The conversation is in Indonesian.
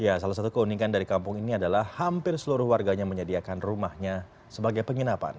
ya salah satu keunikan dari kampung ini adalah hampir seluruh warganya menyediakan rumahnya sebagai penginapan